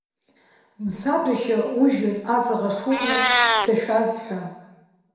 Дсаҭәашьа ужәҩан аҵаҟа ашоура иҭашәаз ҳәа.